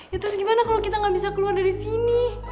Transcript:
ya terus gimana kalau kita nggak bisa keluar dari sini